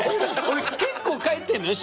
俺結構帰ってんのよ